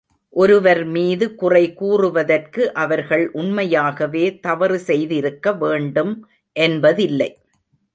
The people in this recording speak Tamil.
ஒருவர்மீது குறை கூறுவதற்கு அவர்கள் உண்மையாகவே தவறு செய்திருக்கவேண்டும் என்பதில்லை.